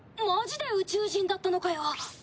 マジで宇宙人だったのかよ。